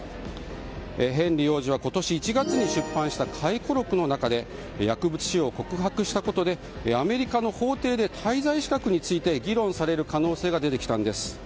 ヘンリー王子は今年１月に出版した回顧録の中で薬物使用を告白したことでアメリカの法廷で滞在資格について議論される可能性が出てきたんです。